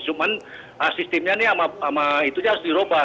cuman sistemnya ini sama itu harus diubah